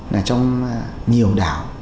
là trong nhiều đảo